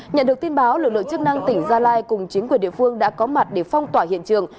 nhận được tin báo lực lượng chức năng tỉnh gia lai cùng chính quyền địa phương đã có mặt để phong tỏa hiện trường